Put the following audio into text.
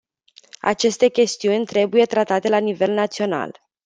Aceste chestiuni trebuie tratate la nivel național.